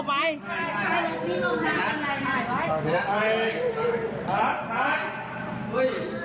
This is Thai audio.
อาฆ่าดู